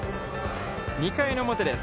２回表です。